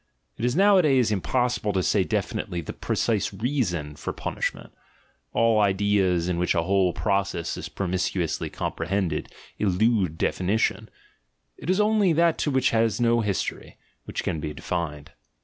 (It is nowadays impossible to say definitely the precise reason fur punishment: all ideas, in which a whole process is promiscuously comprehended, elude definition; it is only that which has no history, which can be defined.)